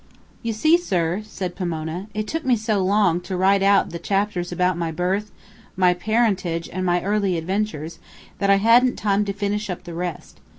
"You see, sir," said Pomona, "it took me so long to write out the chapters about my birth, my parentage, and my early adventures, that I hadn't time to finish up the rest.